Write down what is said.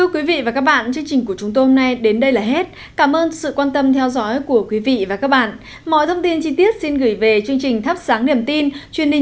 còn bây giờ xin chào và hẹn gặp lại quý vị và các bạn trong những chương trình tiếp theo